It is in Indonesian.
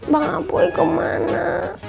bang kapoi kemana